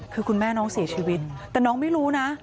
คือคุณแม่น้องเสียชีวิตแต่น้องไม่รู้นะ